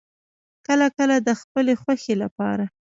کله کله د خپلې خوښې لپاره